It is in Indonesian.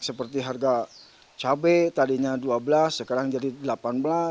seperti harga cabai tadinya rp dua belas sekarang jadi rp delapan belas